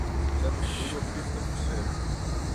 Set it folume op fyftich persint.